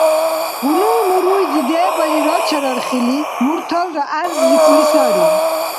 Хьунул муруйзи дебали рачарархили мурталра гӀярзрикӀули сари: